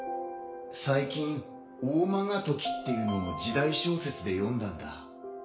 最近逢魔が時っていうのを時代小説で読んだんだ。